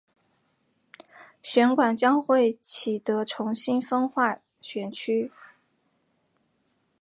选管会将启德重新分划选区。